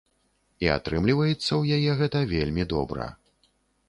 І атрымліваецца ў яе гэта вельмі добра.